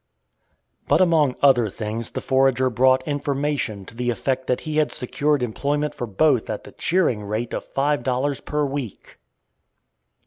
But among other things the forager brought information to the effect that he had secured employment for both at the cheering rate of five dollars per week.